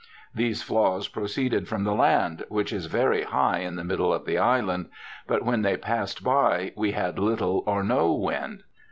These flaws proceed from the land, which is very high in the middle of the island ; but when they passed by we had little or no wind.